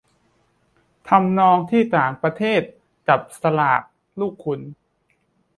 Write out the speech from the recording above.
ทำนองที่ต่างประเทศจับสลากลูกขุน